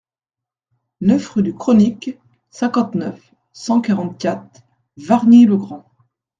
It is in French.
neuf rue du Chronique, cinquante-neuf, cent quarante-quatre, Wargnies-le-Grand